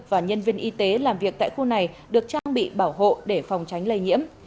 và nhân viên y tế làm việc tại khu này được trang bị bảo hộ để phòng tránh lây nhiễm